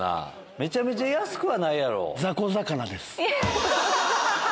めちゃめちゃ安くはないやろ。